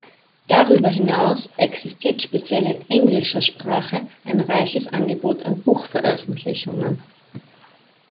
Darüber hinaus existiert speziell in englischer Sprache ein reiches Angebot an Buchveröffentlichungen.